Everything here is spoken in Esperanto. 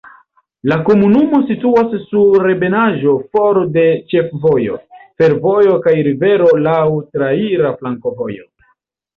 La komunumo situas sur ebenaĵo for de ĉefvojo, fervojo kaj rivero, laŭ traira flankovojo.